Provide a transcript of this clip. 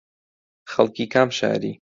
خەڵکی کام شاری